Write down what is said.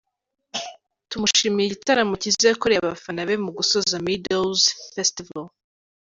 Tumushimiye igitaramo cyiza yakoreye abafana be mu gusoza Meadows Festival.